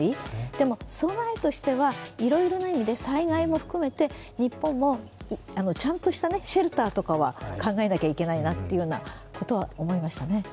でも備えとしてはいろいろな意味で災害も含めて日本もちゃんとしたシェルターとかは考えなきゃいけないなということは思いましたね。